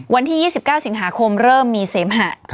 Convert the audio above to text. วันที่๒๙สิงหาคมเริ่มมีเสมหะ